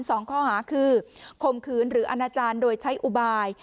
สองข้อหาคือข่มขืนหรืออนาจารย์โดยใช้อุบาย